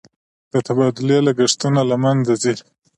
د تبادلې لګښتونه له منځه ځي.